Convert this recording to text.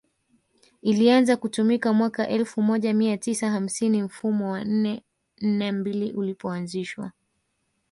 ilianza kutumika mwaka elfu moja mia tisa hamsini mfumo wa nne nne mbili ulipoanzishwa